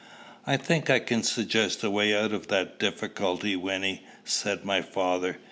"I think I can suggest a way out of that difficulty, Wynnie," said my father.